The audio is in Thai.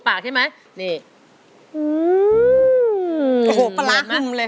สวัสดีครับคุณหน่อย